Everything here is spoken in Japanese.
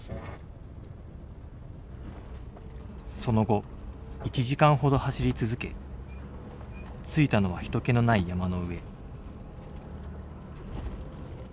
その後１時間ほど走り続け着いたのは人けのない山の上。